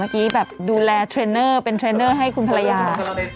แบบดูแลเทรนเนอร์เป็นเทรนเนอร์ให้คุณภรรยา